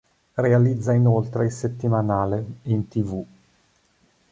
Realizza inoltre il settimanale "In tivù".